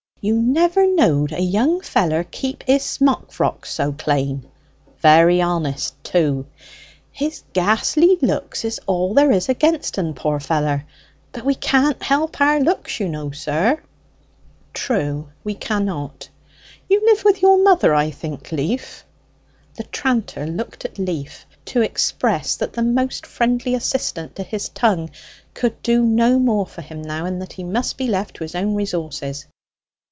You never knowed a young feller keep his smock frocks so clane; very honest too. His ghastly looks is all there is against en, poor feller; but we can't help our looks, you know, sir." "True: we cannot. You live with your mother, I think, Leaf?" The tranter looked at Leaf to express that the most friendly assistant to his tongue could do no more for him now, and that he must be left to his own resources.